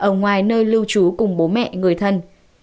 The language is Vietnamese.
ở ngoài nơi lưu trú cùng bố mẹ người thân